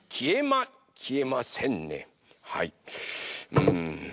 うん。